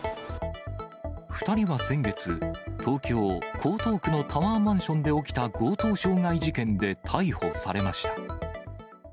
２人は先月、東京・江東区のタワーマンションで起きた強盗傷害事件で逮捕されました。